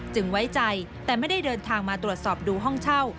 ไว้ใจแต่ไม่ได้เดินทางมาตรวจสอบดูห้องเช่า